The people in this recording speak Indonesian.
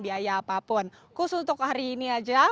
biaya apapun khusus untuk hari ini aja